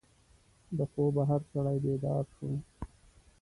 د خوبه هر سړی بیدار شو.